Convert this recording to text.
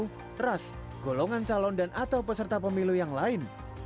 hanya dilarang menghina seseorang agama suku ras golongan calon dan atau peserta pemilu yang lain